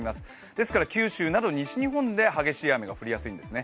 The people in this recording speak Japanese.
ですから九州など西日本で激しい雨が降りやすいんですね。